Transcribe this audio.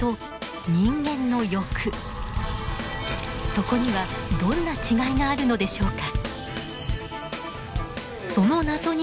そこにはどんな違いがあるのでしょうか。